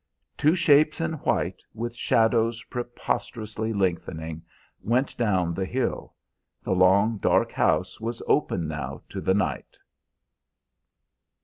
Two shapes in white, with shadows preposterously lengthening, went down the hill. The long, dark house was open now to the night.